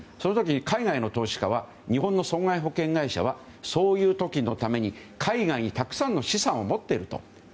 海外の投資家は日本の損害保険会社はそういう時のために、海外にたくさんの資産を持っていると。